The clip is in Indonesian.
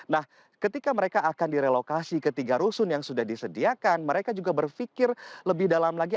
nah ketika mereka akan direlokasi ke tiga rusun yang sudah disediakan mereka juga berpikir lebih dalam lagi